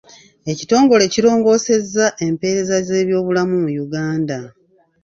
Ekitongole kirongoosezza empeereza z'ebyobulamu mu Uganda.